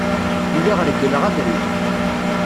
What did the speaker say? Lliɣ reggleɣ abrid.